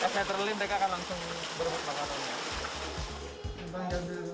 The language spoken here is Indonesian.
kalau saya terlalu mereka akan langsung berubah perawatan ya